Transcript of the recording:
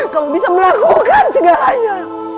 kamu bisa melakukan segalanya